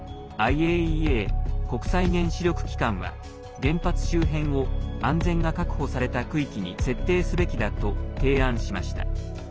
ＩＡＥＡ＝国際原子力機関は原発周辺を安全が確保された区域に設定すべきだと提案しました。